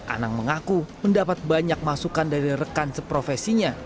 anang mengaku mendapat banyak masukan dari rekan seprofesinya